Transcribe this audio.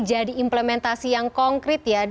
jadi implementasi yang konkret ya